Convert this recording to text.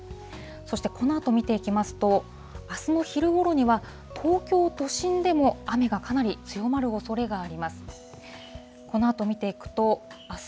そしてこのあと見ていきますと、あすの昼頃には東京都心でも、雨がかなり強まるおそれがあります。